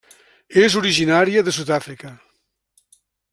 És originària de Sud-àfrica.